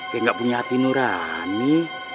kayak gak punya hati nurani